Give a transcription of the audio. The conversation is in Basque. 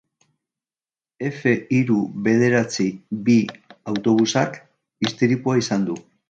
Efe hiru bederatzi bi autobusak istripua izan du.